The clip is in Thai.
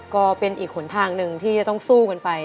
ก็เป็นอีกหนทางหนึ่งที่จะต้องสู้กันไป